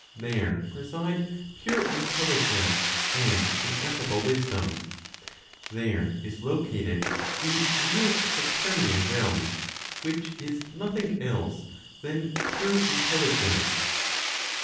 There preside pure intelligence and ineffable wisdom; there is located the real Saturnian realm, which is nothing else than pure intelligence.